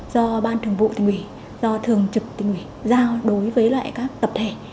do ban thường vụ tỉnh ủy do thường trực tỉnh ủy giao đối với lại các tập thể